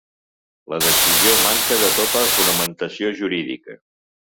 La decisió manca de tota fonamentació jurídica.